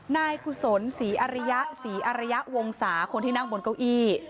นายกุศลศรีอริยะศรีอริยะวงศาคนที่นั่งบนเก้าอี้